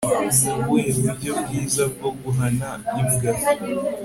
nubuhe buryo bwiza bwo guhana imbwa